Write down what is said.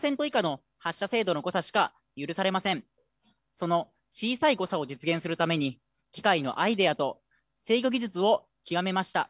その小さい誤差を実現するために機械のアイデアと制御技術を極めました。